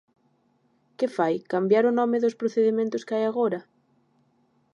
¿Que fai, cambiar o nome dos procedementos que hai agora?